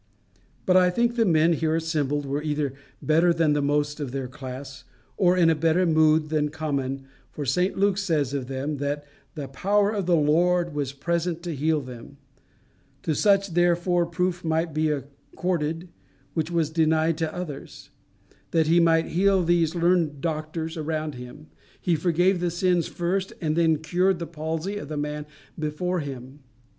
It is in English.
But I think the men here assembled were either better than the most of their class, or in a better mood than common, for St Luke says of them that the power of the Lord was present to heal them. To such therefore proof might be accorded which was denied to others. That he might heal these learned doctors around him, he forgave the sins first and then cured the palsy of the man before him.